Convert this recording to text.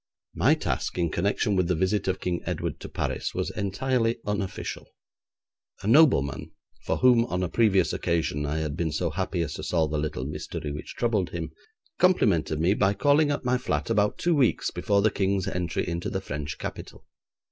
My task in connection with the visit of King Edward to Paris was entirely unofficial. A nobleman, for whom on a previous occasion I had been so happy as to solve a little mystery which troubled him, complimented me by calling at my flat about two weeks before the King's entry into the French capital.